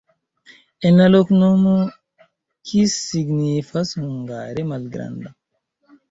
En la loknomo kis signifas hungare: malgranda.